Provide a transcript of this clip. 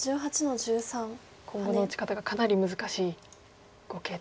今後の打ち方がかなり難しい碁形と。